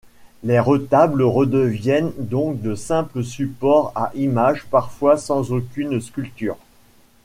Les retables redeviennent donc de simples supports à image, parfois sans aucune sculpture.